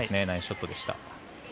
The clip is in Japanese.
ナイスショットでした。